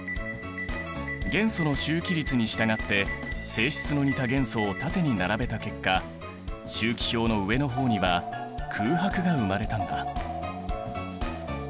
元素の周期律に従って性質の似た元素を縦に並べた結果周期表の上の方には空白が生まれたんだ。